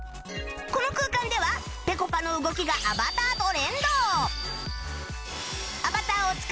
この空間ではぺこぱの動きがアバターと連動